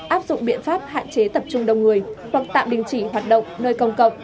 áp dụng biện pháp hạn chế tập trung đông người hoặc tạm đình chỉ hoạt động nơi công cộng